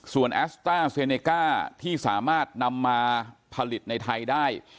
ส่วนแอสต้าเซเนก้าที่สามารถนำมาผลิตในไทยได้